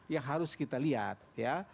yang harus kita lihat ya